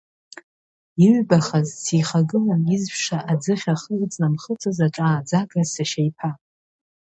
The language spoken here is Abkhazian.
Иҩбахаз, сихагылан изжәша аӡыхь ахы ыҵнамхыцыз аҿааӡага сашьа иԥа.